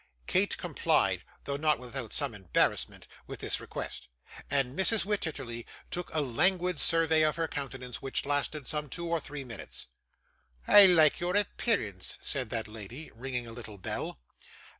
Kate complied, though not without some embarrassment, with this request, and Mrs. Wititterly took a languid survey of her countenance, which lasted some two or three minutes. 'I like your appearance,' said that lady, ringing a little bell.